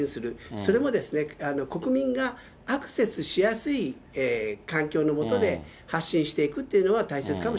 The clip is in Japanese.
それもですね、国民がアクセスしやすい環境の下で発信していくっていうのが大切